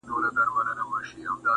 خپل تقصیر